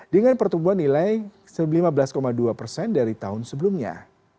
dengan pertumbuhan nilai lima belas dua persen dari tahun sebelumnya